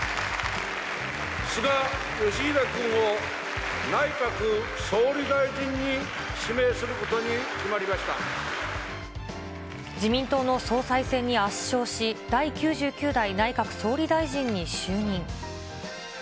菅義偉君を内閣総理大臣に指自民党の総裁選に圧勝し、第９９代内閣総理大臣に就任。